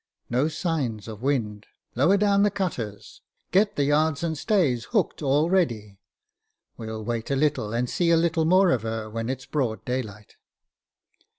No signs of wind. Lower down the cutters. Get the yards and stays hooked all ready. We'll wait a little, and see a little more of her when it's broad daylight."